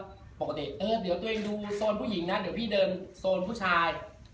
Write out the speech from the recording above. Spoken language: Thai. คุณโซนผู้หญิงนะเดี๋ยวพี่เดินโซนผู้ชาย